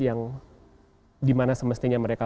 yang di mana semestinya mereka